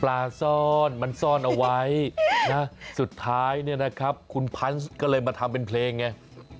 ซ่อนมันซ่อนเอาไว้นะสุดท้ายเนี่ยนะครับคุณพันธุ์ก็เลยมาทำเป็นเพลงไง